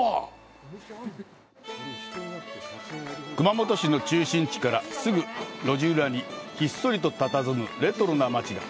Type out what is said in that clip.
熊本市の中心地からすぐ路地裏に、ひっそりとたたずむレトロな町が。